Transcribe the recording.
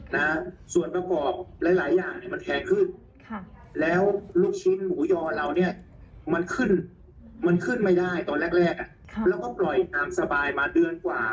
แล้วก็ปล่อยความสบายมาเดือนกว่า